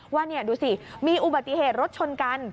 ว่านี่ดูสิมีอุบัติเหตุรถชนกัน